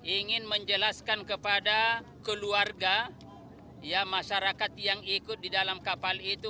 ingin menjelaskan kepada keluarga masyarakat yang ikut di dalam kapal itu